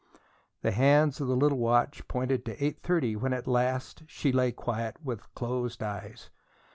The hands of the little watch pointed to eight thirty when at last she lay quiet, with closed eyes.